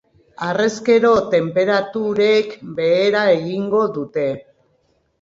Harrezkero, tenperaturek behera egingo dute.